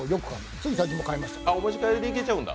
つい最近も買いました。